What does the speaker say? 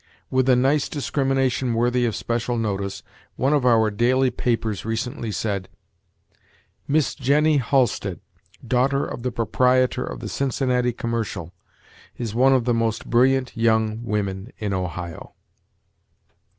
With a nice discrimination worthy of special notice, one of our daily papers recently said: "Miss Jennie Halstead, daughter of the proprietor of the 'Cincinnati Commercial,' is one of the most brilliant young women in Ohio."